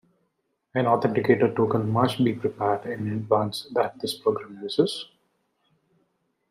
An authenticator token must be prepared in advance that this program uses.